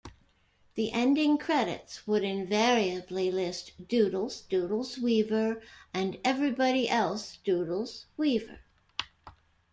The ending credits would invariably list "Doodles... Doodles Weaver" and "Everybody Else... Doodles Weaver.